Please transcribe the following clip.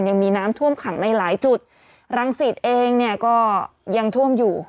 ยังมีน้ำท่วมขังในหลายจุดรังสิตเองเนี่ยก็ยังท่วมอยู่